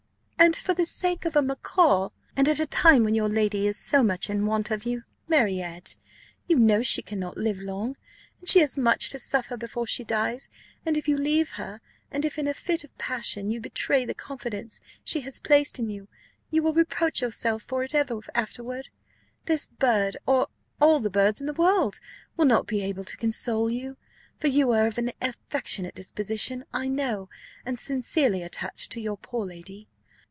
"And for the sake of a macaw! And at a time when your lady is so much in want of you, Marriott! You know she cannot live long, and she has much to suffer before she dies, and if you leave her, and if in a fit of passion you betray the confidence she has placed in you, you will reproach yourself for it ever afterward. This bird or all the birds in the world will not be able to console you; for you are of an affectionate disposition, I know, and sincerely attached to your poor lady."